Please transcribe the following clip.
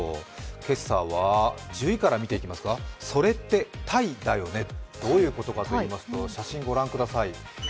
今朝は１０位から見ていきますか、それって鯛だよねどういうことかといいますと、写真ご覧ください。